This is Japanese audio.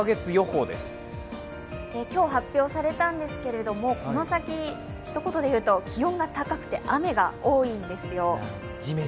今日発表されたんですけれども、この先、ひと言でいうと気温が高くて雨が多いんですよ。